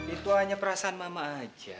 itu hanya perasaan mama aja